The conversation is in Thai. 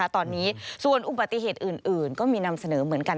ตอนนี้ส่วนอุบัติเหตุอื่นก็มีนำเสนอเหมือนกัน